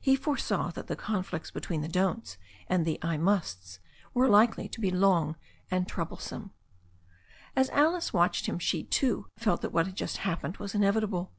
He foresaw that the conflicts between the "dont's" and the "I musts" was likely to be long and troublesome. As Alice watched him she, too, felt that what had just happened was inevitable.